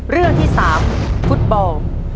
เรื่องที่๓ฟุตบอล